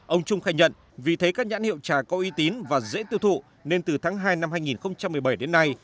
ông trung khai nhận vì thấy các nhãn hiệu trà có uy tín và dễ tiêu thụ nên từ tháng hai năm hai nghìn một mươi bảy đến nay